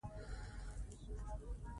ازادي راډیو د سوله اړوند شکایتونه راپور کړي.